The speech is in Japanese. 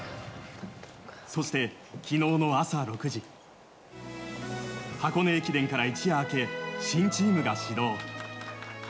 そして、昨日の朝６時箱根駅伝から一夜明け新チームが始動。